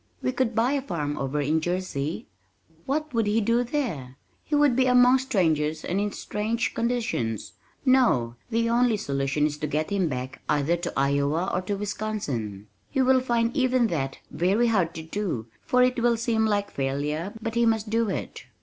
"We could buy a farm over in Jersey." "What would he do there? He would be among strangers and in strange conditions. No, the only solution is to get him to go back either to Iowa or to Wisconsin. He will find even that very hard to do for it will seem like failure but he must do it.